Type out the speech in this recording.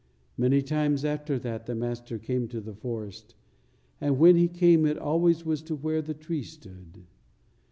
Many times after that the Master came to the forest, and when He came it always was to where the tree stood.